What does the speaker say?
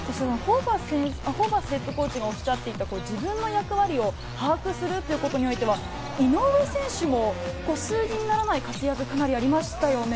ホーバスＨＣがおっしゃっていた、自分の役割を把握するということにおいては、井上選手も数字にならない活躍がありましたよね。